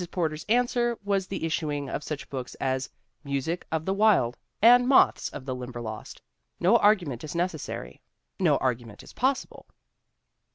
Porter's answer was the issuing of such books as Music of the Wild and Moths of the Limberlost. No argument is nee ( essary." No argument is possible.